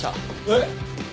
えっ？